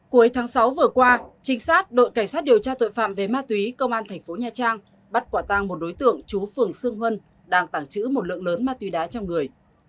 cuối tháng sáu vừa qua trinh sát đội cảnh sát điều tra tội phạm về ma túy công an thành phố nha trang bắt quả tăng một đối tượng chú phường sương huân đang tảng trữ một lượng lớn ma túy đá trong người